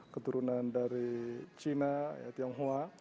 keturunan dari cina tionghoa